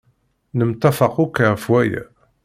Nemtafaq akk ɣef waya.